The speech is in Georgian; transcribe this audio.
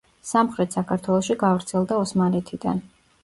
სამხრეთ საქართველოში გავრცელდა ოსმალეთიდან.